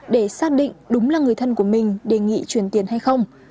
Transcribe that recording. để xác định đúng là người thân của mình đề nghị chuyển tiền hay không